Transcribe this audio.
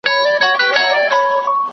یوسف